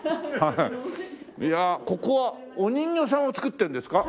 いやあここはお人形さんを作ってるんですか？